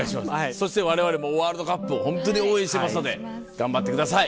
そして我々もワールドカップをホントに応援してますので頑張ってください。